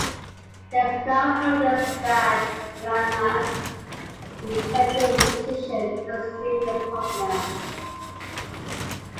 There is no evidence that Cranmer resented his position as junior partner.